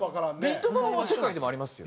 ビート板は世界にもありますよね？